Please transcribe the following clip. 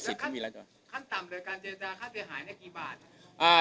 สิทธิ์มันมีหลายตัวขั้นต่ำเลยการเจจาค่าเงินหายในกี่บาทอ่า